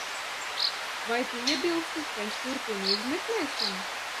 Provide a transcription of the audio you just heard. Vai tu iebilsti, ka es turpinu izmeklēšanu?